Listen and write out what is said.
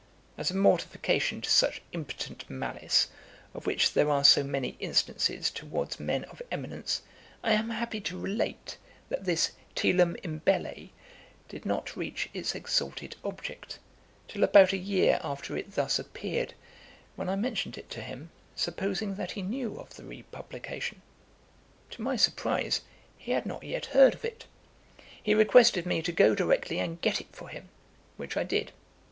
As a mortification to such impotent malice, of which there are so many instances towards men of eminence, I am happy to relate, that this telum imbelle did not reach its exalted object, till about a year after it thus appeared, when I mentioned it to him, supposing that he knew of the re publication. To my surprize, he had not yet heard of it. He requested me to go directly and get it for him, which I did.